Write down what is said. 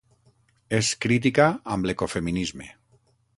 És crítica amb l'ecofeminisme.